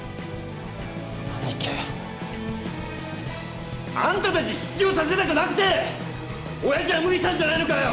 兄貴。あんたたち失業させたくなくておやじは無理したんじゃないのかよ？